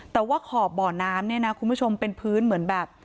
แต่ว่าขอบบ่อน้ำเนี่ยนะคุณผู้ชมเป็นพื้นเหมือนแบบ